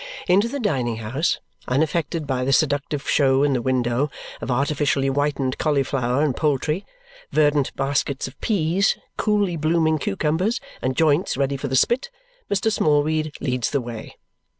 Into the dining house, unaffected by the seductive show in the window of artificially whitened cauliflowers and poultry, verdant baskets of peas, coolly blooming cucumbers, and joints ready for the spit, Mr. Smallweed leads the way.